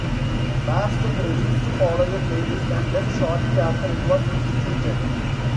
Marsden refused to follow a playlist and left shortly after it was instituted.